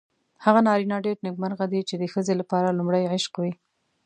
هغه نارینه ډېر نېکمرغه دی چې د ښځې لپاره لومړی عشق وي.